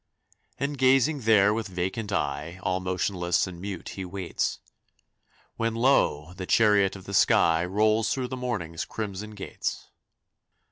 And gazing there with vacant eye, All motionless and mute he waits, When lo! the chariot of the sky Rolls through the morning's crimson gates.